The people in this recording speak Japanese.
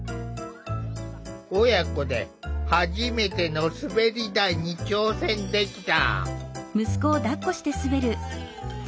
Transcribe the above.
親子で初めての滑り台に挑戦できた。